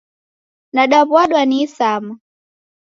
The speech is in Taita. Nadaw'adwa ni isama